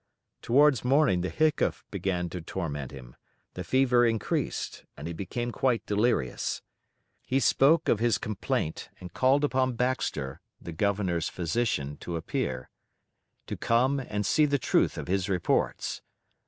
Towards morning the hiccough began to torment him, the fever increased, and he became quite delirious. He spoke of his complaint, and called upon Baxter (the Governor's physician) to appear, to come and see the truth of his reports.